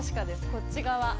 こっち側。